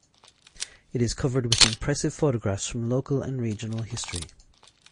It is covered with impressive photographs from local and regional history.